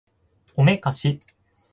おめかし